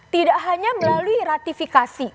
tidak hanya melalui ratifikasi